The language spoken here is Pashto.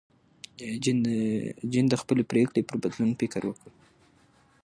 جین د خپلې پرېکړې پر بدلون فکر وکړ.